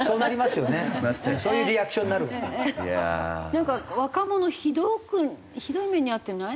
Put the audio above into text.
なんか若者ひどくひどい目に遭ってない？